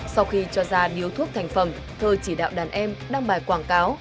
sau khi cho ra điếu thuốc thành phẩm thơ chỉ đạo đàn em đăng bài quảng cáo